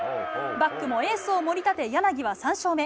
バックもエースをもり立て、柳は３勝目。